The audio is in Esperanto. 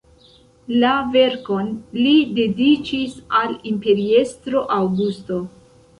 La verkon li dediĉis al imperiestro Aŭgusto.